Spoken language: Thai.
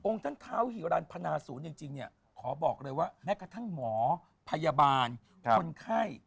องค์ท่านท้าวหิวรรณพนาศูนย์อย่างจริงขอบอกเลยว่าแม้กระทั่งหมอพยาบาลคนไข้